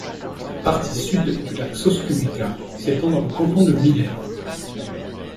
La partie Sud du lac Soscumica s’étend dans le canton de Millet.